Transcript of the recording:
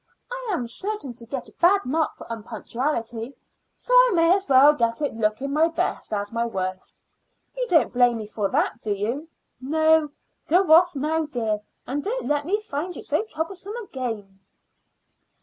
I am certain to get a bad mark for unpunctuality, so I may as well get it looking my best as my worst. You don't blame me for that, do you?" "No. Go off now, dear, and don't let me find you so troublesome again."